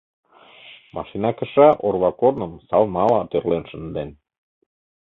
Машина кыша орва корным салмала тӧрлен шынден.